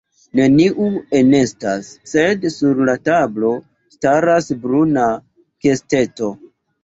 Neniu enestas, sed sur la tablo staras bruna kesteto.